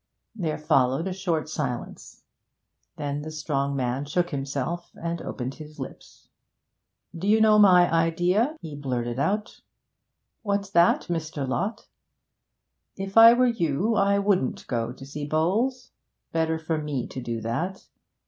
There followed a short silence, then the strong man shook himself and opened his lips. 'Do you know my idea?' he blurted out. 'What's that, Mr. Lott?' 'If I were you I wouldn't go to see Bowles. Better for me to do that.